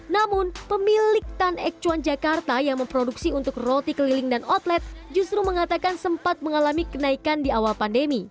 namun pemilik tan ek cuan jakarta yang memproduksi untuk roti keliling dan outlet justru mengatakan sempat mengalami kenaikan di awal pandemi